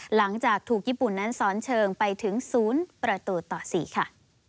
หลังจากถูกญี่ปุ่นนั้นซ้อนเชิงไปถึง๐ประตูต่อ๔ค่ะ